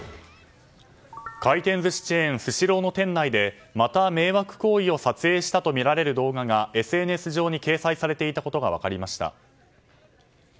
回転寿司チェーンスシローの店内でまた迷惑行為を撮影したとみられる動画がＳＮＳ上に掲載されていたことが分かりました。